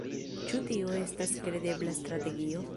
Ĉu tio estas kredebla strategio?